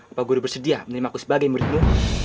apa guru bersedia menerimaku sebagai muridmu